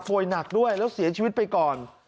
หนักด้วยแล้วเสียชีวิตไปก่อน